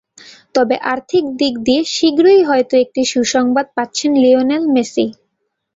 তবে আর্থিক দিক দিয়ে শিগগিরই হয়তো একটি সুসংবাদ পাচ্ছেন লিওনেল মেসি।